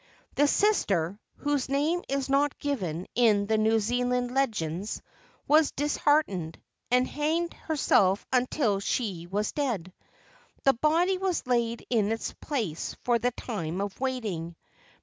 The sister, whose name is not given in the New Zealand le¬ gends, was disheartened, and hanged herself until she was dead. The body was laid in its place for the time of wailing.